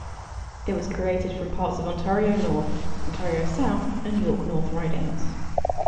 It was created from parts of Ontario North, Ontario South and York North ridings.